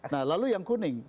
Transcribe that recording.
nah lalu yang kuning